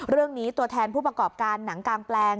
เรื่องนี้ตัวแทนผู้ประกอบการหนังกางแปลง